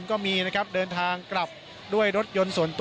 แล้วก็ยังมีมวลชนบางส่วนนะครับตอนนี้ก็ได้ทยอยกลับบ้านด้วยรถจักรยานยนต์ก็มีนะครับ